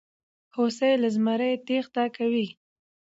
هوسۍ له زمري تېښته کوي.